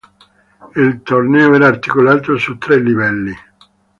Il torneo era articolato su tre livelli.